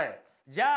じゃあ。